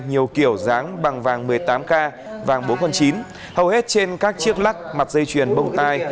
nhiều kiểu dáng bằng vàng một mươi tám k vàng bốn mươi chín hầu hết trên các chiếc lắc mặt dây chuyền bông tay